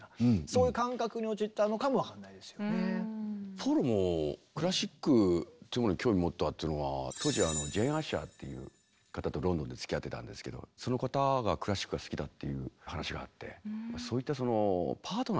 ポールもクラシックっていうものに興味を持ったっていうのは当時ジェーン・アッシャーっていう方とロンドンでつきあってたんですけどその方がクラシックが好きだっていう話があって。